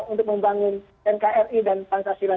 untuk membangun nkri dan pancasila